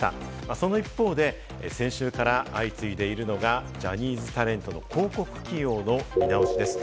その一方で先週から相次いでいるのがジャニーズタレントの広告起用の見直しです。